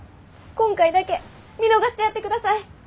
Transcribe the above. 今回だけ見逃してやってください！